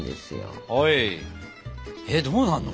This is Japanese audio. えっどうなんの？